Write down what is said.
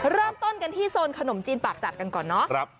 เริ่มต้นกันที่โซนขนมจีนปากจัดกันก่อนเนาะ